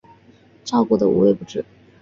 照顾得无微不至